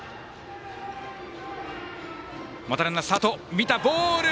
見た、ボール！